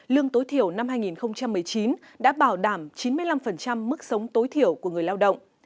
lương tối thiểu năm hai nghìn một mươi chín đã bảo đảm chín mươi năm mức sống tối thiểu của người lao động